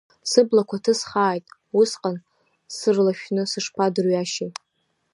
Сыблақәа ҭысхааит, усҟан сырлашәны сышԥадырҩашьеи!